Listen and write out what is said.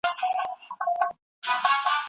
د خوراک ډولونه ورو ورو بدل کړئ.